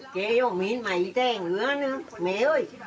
เก๊คโยมีนไหมแจ้งเหนือแม่เฮ้ย